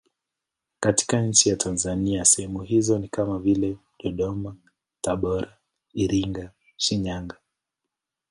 Katika nchi ya Tanzania sehemu hizo ni kama vile Dodoma, Tabora, Iringa, Shinyanga.